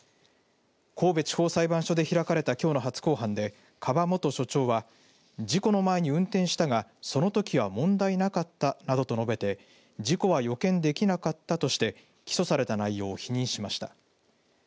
神戸地方裁判所で開かれたきょうの初公判で樺元所長は事故の前に運転したがそのときは問題なかったなどと述べて事故は予見できなかったとして起訴された内容を否認しました。